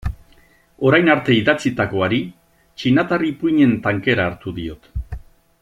Orain arte idatzitakoari txinatar ipuin-en tankera hartu diot.